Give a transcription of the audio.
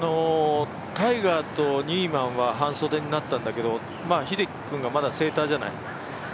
タイガーとニーマンは半袖になったんだけど、英樹君がまだセーターじゃない。